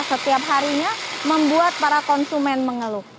setiap harinya membuat para konsumen mengeluh